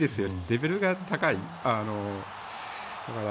レベルが高い。